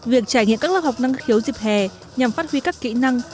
việc trải nghiệm các lớp học năng khiếu dịp hè nhằm phát huy các kỹ năng